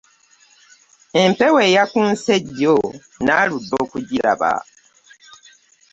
Empewo eyakunse jjo naaludde okugiraba.